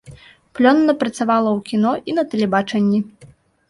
Плённа працавала ў кіно і на тэлебачанні.